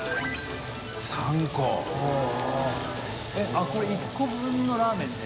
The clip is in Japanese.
あっこれ１個分のラーメンで？